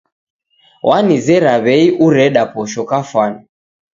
Wanizera w'ei ureda posho kafwani